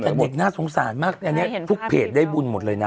แต่เด็กน่าสงสารมากอันนี้ทุกเพจได้บุญหมดเลยนะ